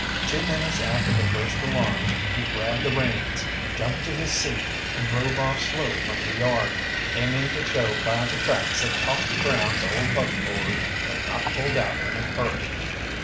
Two minutes after the first alarm he grabbed the reins, jumped to his seat, and drove off slow from the yard, aiming to show by the tracks that Cocky Brown's old buckboard had not pulled out in a hurry.